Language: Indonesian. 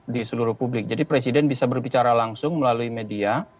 di seluruh publik jadi presiden bisa berbicara langsung melalui media